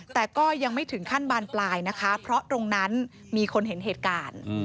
แต่ก็ยังไม่ถึงขั้นบานปลายนะคะเพราะตรงนั้นมีคนเห็นเหตุการณ์